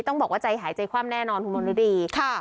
บอกว่าใจหายใจคว่ำแน่นอนคุณมนฤดี